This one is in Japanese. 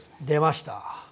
出ました！